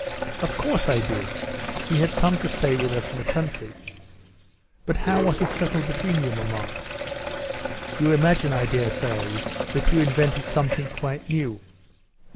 "Of course I did; he had come to stay with us in the country." "But how was it settled between you, mamma?" "You imagine, I dare say, that you invented something quite new?